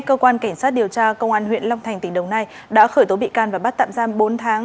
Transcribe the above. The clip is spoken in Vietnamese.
cơ quan cảnh sát điều tra công an huyện long thành tỉnh đồng nai đã khởi tố bị can và bắt tạm giam bốn tháng